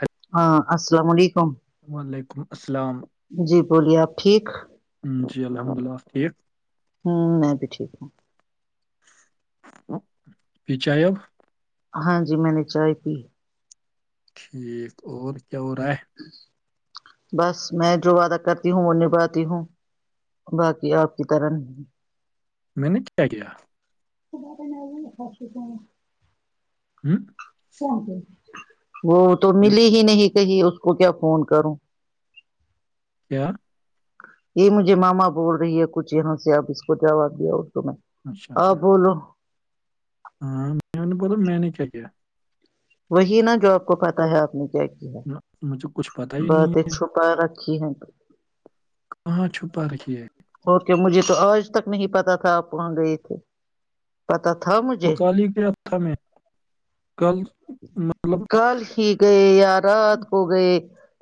اچ [inaudible] [inaudible] ہاں السلام علیکم وعلیکم السلام جی بولیے آپ ٹھیک جی الحمد اللہ ٹھیک ہوں میں بھی ٹھیک ہوں پی چاہ ہو [unintelligible] [unintelligible] ہاں جی میں نے چائے پی ٹھیک اور کیا ہو رہا ہے بس میں جو وعدہ کرتی ہوں وہ نبھاتی ہوں باقی آپ کی طرح نہیں میں نے کیا کیا صب وہ [inaudible] ہوں [inaudible] [inaudible] وہ تو لو- ملی ہی نہیں کہیں اس کو کیا فون کروں کیا [unintelligible] [unintelligible] یہ مجھے ماما بول رہی ہے کچھ یہاں سے آپ اس کو جواب دیا تو میں اچھا اچھا آپ بولو ہاں میں نے بولا میں نے کیا کیا وہی نا جو آپ کو پہ ہے آپ نے کیا کیا مجھب [inaudible] باتیں چھپا رکھی ہے کہاں چھپا پررکھی ہے اور کیا مجھے تو آج تک نہیں پتا تھا آپ کہاں گئے تھے پتا تھا مجھے اکالی کے ہفتہ میں کل مطلب [inaudible] کل ہی گئے یا رات پتا کو گئے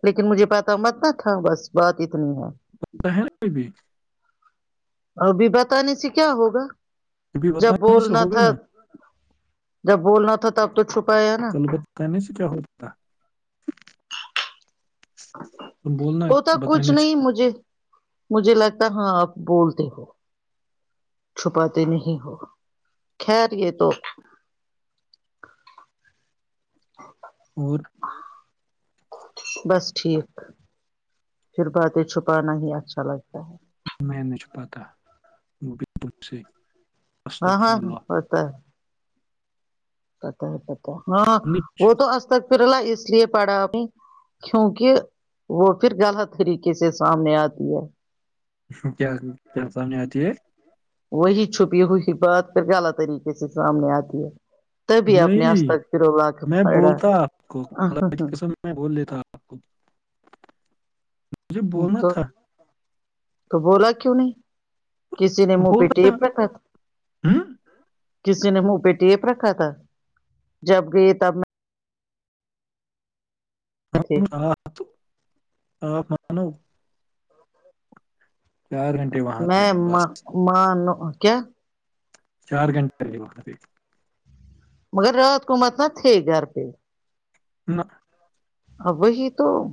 لیکن مجھے پتا مت تھا نا بس بات اتنی ہے ہے نا بھی [unintelligible] [unintelligible] ابھی بتانے سے کیا ہوگا ابھی جب بتانے سے بولنا ہوگا تھا نا جب بولنا تھا تب تو چھپایا نا کل بتانے سے کیا ہوتا تم بولنا وہتا کچھ بتانے سے نہیں مجھے مجھے لگتا ہاں آپ بولتے ہو چھپاتے نہیں ہو خیر یہ تو ہاں [unintelligible] اور [unintelligible] بس ٹھیک پھر باتیں چھپانا ہی اچھا لگتا ہے میں نہیں چ پتہ بالک صحی ہاں ہاں ہاں ہوتا ہے پتا ہے پتا ہاں وہ مجھ- تو اسجستک پھرلہ اس لیے پڑھا کیونکہ وہ پھر غلط طریقے سے سامنے آتی ہے کیا کیا سنے آتی ہے [unintelligible] وہی چھپ یہ ہوئی بات پھر غلط طریقے سے سامنے آتی ہے تب اپنے آس نہیں تک پھر لا کے میں پا بولتا آپ کو اللہ کی قسم میں بول لیتا آپ کو مجھے بولنا تو تھا تو بولا کیوں نہیں کسی نے منہ پہ بولتا ٹیپ رکھا تھا ہوں کسی نے منہ پہ ٹیپ رکھا تھا جب گئی تب میں تھے آ تو آپ مانو [unintelligible] چار گنٹے [unintelligible] میں م مان کیا [unintelligible] چار گھنٹے نہیںے وہ مگر رات قمت نہ تھے گھر پہ نہ [unintelligible] ا وہی تو [inaudible]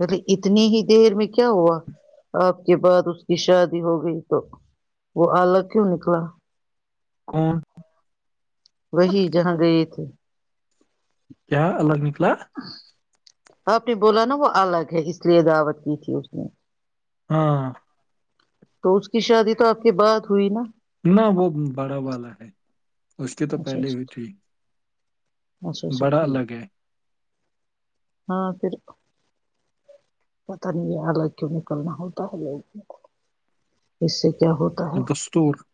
ارے اتنی ہی دیر میں کیا ہوا آپ کے بعد اس کی شادی ہو گئی تو وہ الگ کیوں نکلا ہاں [unintelligible] وہی جہاں گئے تھے کیا اللہ نکھلا آپ نے بولا نا وہ الگ ہے اس لیے دعوت کی تھی اس نے ہاں [inaudible] تو اس کی شادی تو آپ کے بعد ہوئی نا نہ وہ بڑا والا ہے اس کی تو اچھا پہلے ہوئی اچھا تھی [unintelligible] اچھا اچھا بڑا ٹھ ہے الگ ہاں پھر [unintelligible] پتا نہیں ہے حالگ کیوں نکلنا ہوتا ہے لوگوں کو اس سے کیا ہوتا ہے دستور [unintelligible]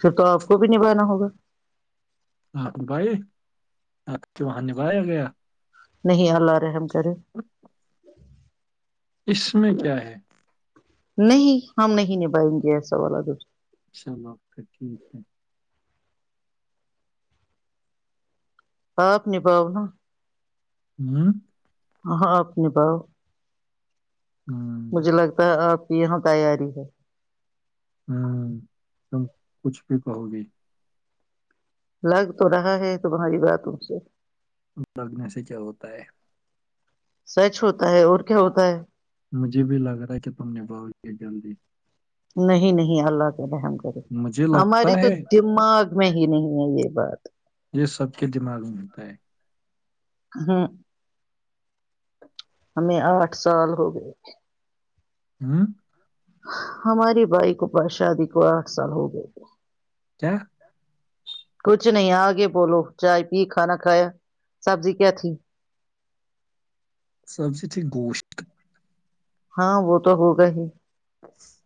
پھر تو آپ کو بھی نبھانا ہوگا ہ بھائی آپ کے وہاں نبھایا گیا [unintelligible] نہیں اللہ رحم کرے اس میں کیا ہے نہیں ہم نہیں نبھائیں گے سوالات دو اناء اللہ آ پھر ٹھیک ہے [unintelligible] آپ نہیں پاؤنا ہوں [inaudible] ہ ہاں اپنی باؤ ہاں [inaudible] مجھے لگتا ہے آپ کی یہاں تیاری ہے ہوں تم کچھ بھی کہو گی لگ تو رہا ہے تو بہاری بات ت سے لگنے سے کیا ہوتا ہے سچ ہوتا ہے اور کیا ہوتا ہے مجھے بھی لگ رہا ہے کہ تم نبھاؤ گے جلدی نہیں نہیں اللہ کے رحم مجھے لگتا ہماری تو ہے دماغ میں ہی نہیں ہے یہ بات یہ سب کے دماغ میں ملتا ہے ہوں ہمیں آٹھ سال ہو گئے ہوں [inaudible] ہماریے بھائی کو پا شادی کو آٹھ سال ہو گئے تھ کیا کچھ نہیں آگے بولو چائے پی کھانا کھایا سبزی کیا تھی سب سے چھ گوشت ہاں وہ تو ہوگا ہی اچ [inaudible]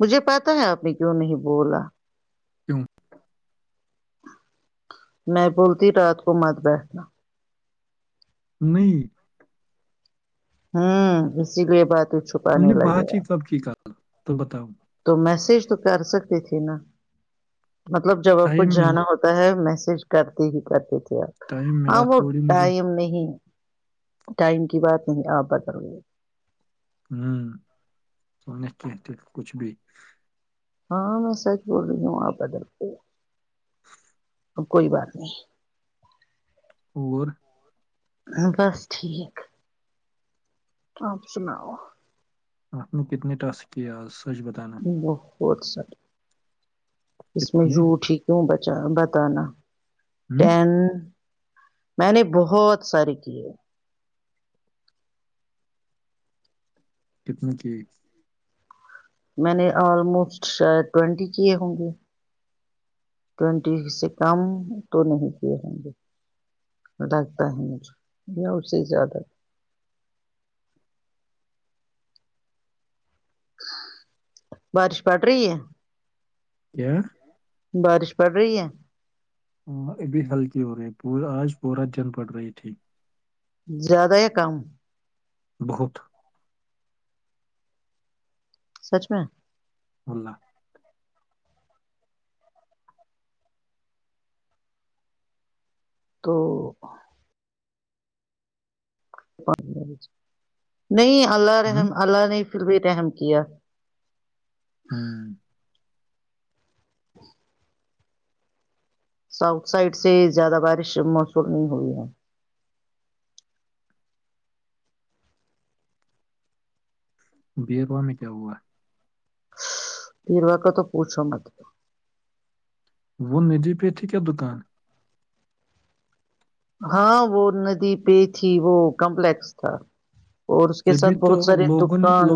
مجھے پتا ہے آپ نے کیوں نہیں بولا کیوں [unintelligible] میں بولتی رات کو مت بیٹھنا نہیں ہوں اسی لیے بات چپ ہم نے بات ہی کب کی کہال تو بتاؤ تو میسج تو کر سکتی تھی نا مطلب جب آپ کو ٹائم مل جانا ہوتا میسج کرتے ہی کرتے تھے آپ ٹائم ہاں ملا وہ تھوڑی مجھے ٹائم نہیں ٹائم کی بات نہیں آپ بتل گے ہوں تو کہ کچھ بھی [unintelligible] ہاں میں سحچ بول رہی ہوں وہاں پیدل پہ [unintelligible] تو کوئی بات نہیں اور بس ٹھیک تپ سناؤ آپ نے کتنے ٹسک کیے آج سچ بتانا بہتچ س اس میں کتنے جو ٹھیک [unintelligible] کیوں بچا بتانا ہوں ٹین میں نے بہت سارے کیے کتنی کی میں نے آلموسٹ شاید ٹینٹی کیے ہوں گے ٹینٹی سے کم تو نہیں کیے ہوں گے لگتا ہے مجھ یا اسی زیادہ بارش پڑ رہی ہے کیا بارش پڑ رہی ہے ابھی ہلکی ہو رہی ہے آج پورا جن پڑ رہی تھی زیادہ کم بہت سچ میں اللہ تو نہیں اللہ ہوں رحم اللہ نے پھر بھی رحم کیا [inaudible] ساؤتھ سائڈ سے زیادہ بارش موصول نہیں ہوئی ہے بی میں کیا ہوا پیرواق تو پوچو وہ ندی پہ تھی کیا دکان ہاں وہ ندی پہ تھی وہ کمپلیکس تھا اور اس کے ساتھ بہت سارے دکان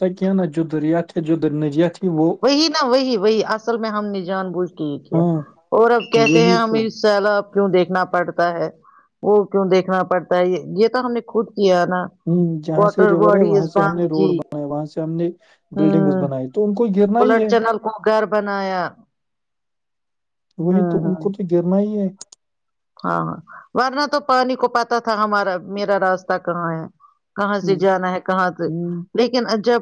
س کیا نہ جد رت ہے جد نجیت وہی نا وہی وہی اصل میں ہم نے جان بوجھ کے ہی کیا ہاں اور اب کہتے ہیں وہی ہم تو سےء ال کیوں دیکھنا پڑتا ہے وہ کیوں دیکھنا پڑتا ہے یہ یہ تو ہم نے خود کیا نا ہ جہاں سے واٹر ریور ہے وہاں باڈیز سے ہم نے باندھ روڈ کی بنائے وہاں سے ہم نے ہ بلڈنگس بنائی تو گرنا ہی بلٹ ہے چینل کو گھر بنایا وہی تو ہوں ہ ان کو تو گر گرنا ہی ہے ہاں ہاں ورنہ تو پانی کو پتا تھا ہمارا میرا راستہ کہاں ہے کہاں سے جانا ہے کہاں سے ہوں، لیکن جب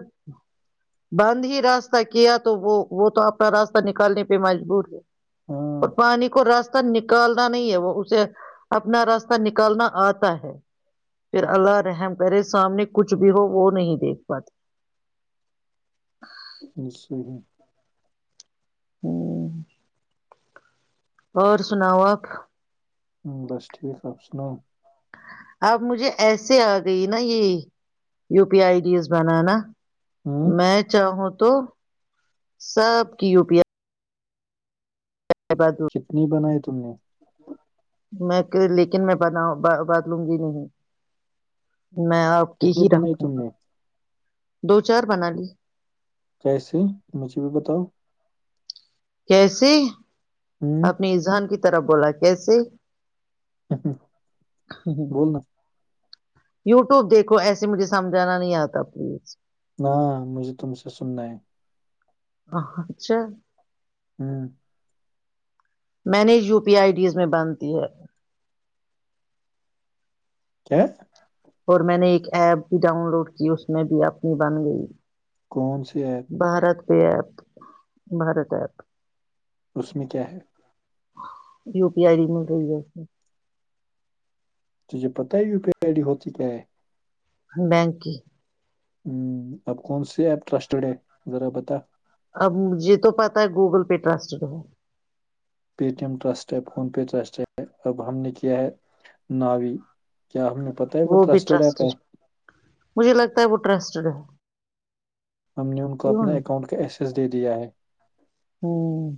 بند ہی راستہ کیا تو وہ وہ تو اپنا راستہ نکالنے پہ مجبور ہے اور ہاں پانی کو راستہ نکالنا نہیں ہے اسے اپنا راستہ نکالنا آتا ہے پھر اللہ رحم کرے سامنے کچھ بھی ہو وہ نہیں دیکھ پاتے صحی [inaudible] اور سناوک ہوں بس ٹھیک آپ سناو اب مجھے ایسے آ گئی نا یہ U P I I days بنانا ہوں میں چاہوں تو سب کی وپییا [inaudible] کتنی بنائی تم نے میں لیکن میں بتا بدلوں گی نہیں میں آپ کی کتنی ہی بنائی رکھوں تم گی نے دو چار بنا لی کیسے مجھے بھی بتاؤ کیسے ہوں آپ نے اذہان کی طرف بولا کیسے بولنا یوٹیوب دیکھو ایسے مجھے سمجھانا نہیں آتا پلیز مجھے تم سے سننا ہے اچھا ہوں مینج U P I I days میں بنتی ہے کیا [unintelligible] [unintelligible] کون سی آپ [unintelligible] بھارت بھیہ ایپ بھارت ایپ اس میں کیا ہے یو پی آئی ڈ مل رہی ہے اس تجھے پت ہے یو پی آئی ڈی ہوتی کیا ہے بینکی [unintelligible] ہ اب کون سی ایپ ٹرسٹڈے ذرا بتا اب مجھے تو پتا ہے گوگل پہ رسٹڈ ہو پے ٹی ایم ٹرسٹ ہے فون پے ٹرسٹ ہے اب ہم نے کیا ہے ناوی کیا ہمیں پتا ہے وہ بھی ٹسٹڈ ایپ ہے ٹرسٹڈ مجھے لگتا ہے وہ رسٹڈ ہے ہم نے ان کو کیوں اپنے نہیں؟ اکاؤنٹ کا ایسس دے دیا ہے ہوں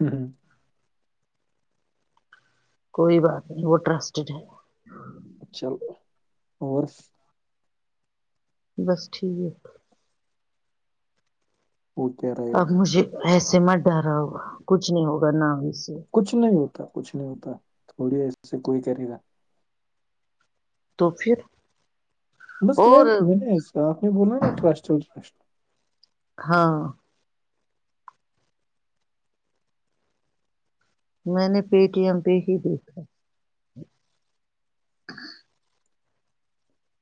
ہوں ہوں [unintelligible] کوئی بات نہیں وہ ٹرسٹڈ ہے چل اور بس ٹھیک اوک رہ اب مجھے ایسے مت ڈر رہا ہو کچھ نہیں ہوگا نا بھی سے کچھ نہیں ہوتا کچھ نہیں ہوتا تھوڑی ایسے کوئی کرے گا تو پھر بس اور نہیں میں آپ نے بولا نا ٹرسٹ ٹرسٹ ہاں [unintelligible] میں نے پے ٹی ایم پہ ہی دیکھا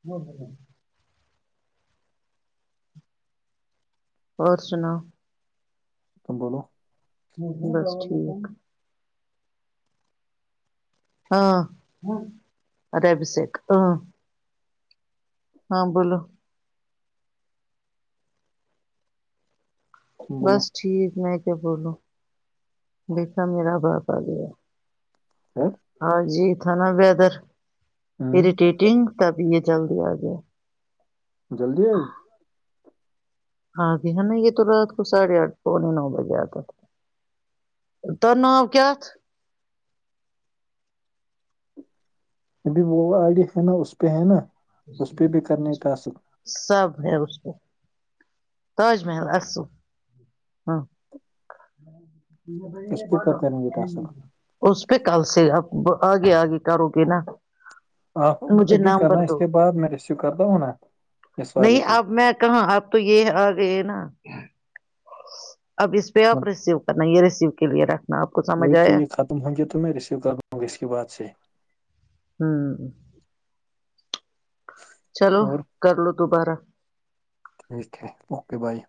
ہاں ہ ہاں اور سناؤ تم بولو ہ بس ٹھیک ہاں ابھیشیک ہاں ہاں بولو تم بس بولو ٹھیک میں کیا بولوں دیکھا میرا باپ آ گیا خیر ہاں جی تھا نا ویدر ہوں اریٹیٹنگ تب یہ جلدی آ گیا جلدی آئی ہاں جی ہے نا یہ تو رات کو ساڑھے آٹھ کو نہیں نو بجے آتا تھا ت نؤ کیا ابھی وہ آئیڈی ہے نا اس پہ ہے نا اس پہ بھی کرنے ٹاسک سب ہے اس کو تاج محل ال ہاں اس پہ کب کریں گے ٹاسک [inaudible] اس پہ کل سے آپ آگے آگے کرو گے نا آپ مجھے ابھی کرنا نمبر اس دو کے بعد میں ریسیو کرتاوں نا اس والے نہیں پہ اب میں کہاں اب تو یہ آ گئے نا اب اس پے آپ مت- ریسیو کرنا یہ ریسیو کے لیے رکھنا آپ کو سمجھ آیا تم ہونک تو م میں رسیو کر گ اس کے بد سے ہوں- چلو اور کر لو دوبارہ- ٹ ہے اوکے بائے-